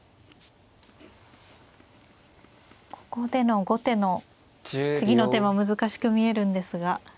ここでの後手の次の手も難しく見えるんですが。